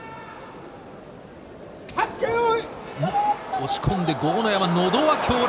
押し込んで豪ノ山のど輪強烈。